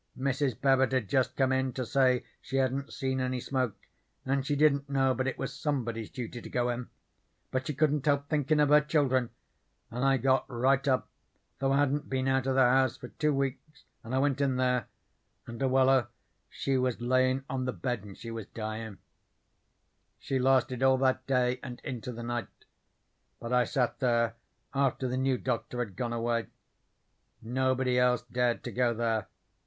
Mrs. Babbit had just come in to say she hadn't seen any smoke and she didn't know but it was somebody's duty to go in, but she couldn't help thinkin' of her children, and I got right up, though I hadn't been out of the house for two weeks, and I went in there, and Luella she was layin' on the bed, and she was dyin'. "She lasted all that day and into the night. But I sat there after the new doctor had gone away. Nobody else dared to go there.